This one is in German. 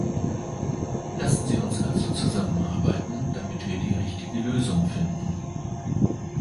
Lassen Sie uns also zusammenarbeiten, damit wir die richtige Lösung finden.